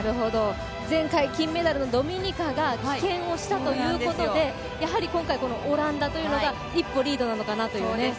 前回金メダルのドミニカが棄権したということで、やはり今回オランダというのが一歩リードなのかなというね。